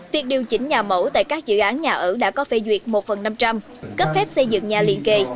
việc điều chỉnh nhà mẫu tại các dự án nhà ở đã có phê duyệt một phần năm trăm linh cấp phép xây dựng nhà liên kề